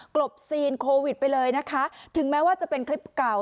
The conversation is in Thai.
ลบซีนโควิดไปเลยนะคะถึงแม้ว่าจะเป็นคลิปเก่า